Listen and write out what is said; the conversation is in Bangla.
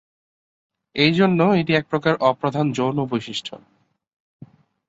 এই জন্য এটি এক প্রকার অপ্রধান যৌন বৈশিষ্ট্য।